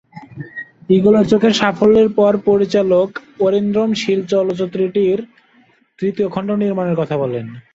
ঈগলের চোখের সাফল্যের পর পরিচালক অরিন্দম শীল চলচ্চিত্রটির তৃতীয় খণ্ড নির্মানের কথা বলেন।